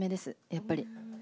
やっぱり。